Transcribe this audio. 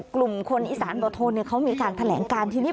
กลุ่มคนอีสานบทโทนเขามีการแถลงการทีนี้